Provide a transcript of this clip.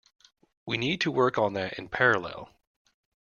We need to work on that in parallel.